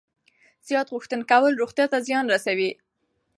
زیات غوښه کول روغتیا ته زیان رسوي.